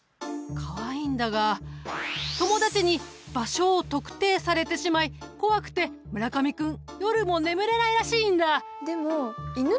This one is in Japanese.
かわいいんだが友達に場所を特定されてしまい怖くて村上君夜も眠れないらしいんだ。